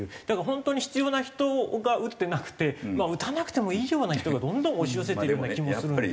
だから本当に必要な人が打ってなくて打たなくてもいいような人がどんどん押し寄せてるような気もする。